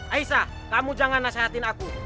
aisyah kamu jangan nasihatin aku